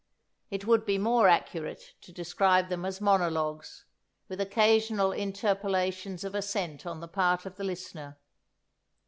It would be more accurate to describe them as monologues, with occasional interpolations of assent on the part of the listener.